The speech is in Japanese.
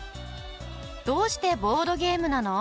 どうしてボードゲームなの？